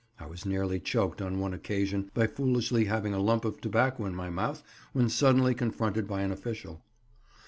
(I was nearly choked on one occasion by foolishly having a lump of tobacco in my mouth when suddenly confronted by an official.)